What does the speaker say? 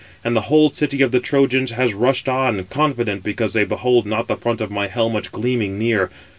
And the whole city of the Trojans has rushed on, confident, because they behold not the front of my helmet gleaming near.